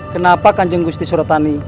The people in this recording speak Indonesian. kenapa kanjeng gusti suratani